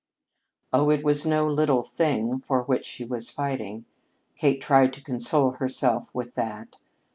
Oh, it was no little thing for which she was fighting! Kate tried to console herself with that.